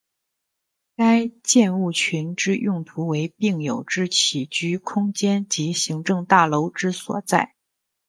该建物群之用途为病友之起居空间及行政大楼之所在。